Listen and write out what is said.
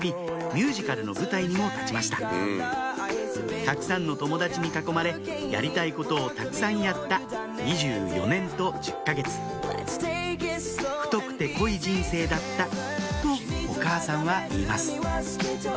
ミュージカルの舞台にも立ちましたたくさんの友達に囲まれやりたいことをたくさんやった２４年と１０か月「太くて濃い人生だった」とお母さんは言います